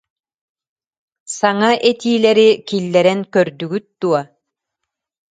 Саҥа этиилэри киллэрэн көрдүгүт дуо